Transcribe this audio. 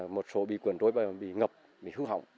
một số bị cuộn tối và bị ngập bị hưu hỏng